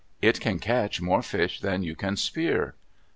It can catch more fish than you can spear."